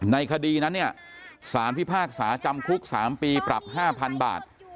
ในคดีนั้นเนี่ยศาลพิพากษาจำคุกสามปีปรับห้าพันบาท